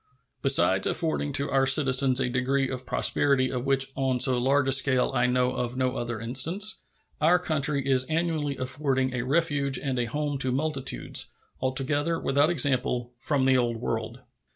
Besides affording to our own citizens a degree of prosperity of which on so large a scale I know of no other instance, our country is annually affording a refuge and a home to multitudes, altogether without example, from the Old World.